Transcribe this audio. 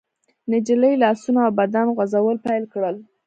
نجلۍ لاسونه او بدن خوځول پيل کړل.